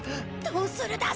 どうするだ？